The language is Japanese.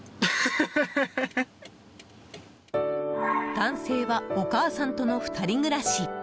男性はお母さんとの２人暮らし。